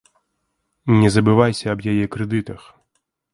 Не забывайся аб яе крэдытах!